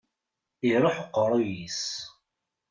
Iruḥ uqerruy-is.